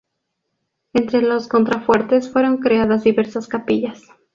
Entre los contrafuertes fueron creadas diversas capillas.